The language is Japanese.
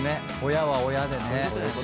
親は親でね。